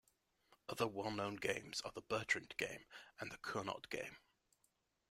Other well-known games are the Bertrand game and the Cournot game.